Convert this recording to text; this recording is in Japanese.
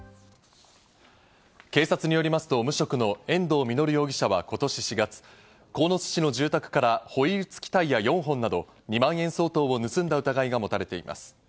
警察によりますと、無職の遠藤実容疑者はことし４月、鴻巣市の住宅からホイール付タイヤ４本など２万円相当を盗んだ疑いが持たれています。